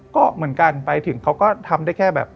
ก็เหมือนกันไปถึงเขาก็ทำได้แค่แบบ